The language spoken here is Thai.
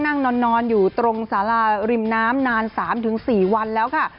นั่งนอนอยู่ตรงสาราริมน้ำนาน๓๔วันแล้วค่ะ